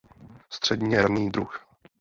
Středně raný druh.